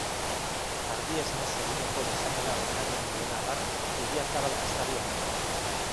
Ardi esnez eginiko bexamela oinarrian duena bat, idiazabal gaztari omenez.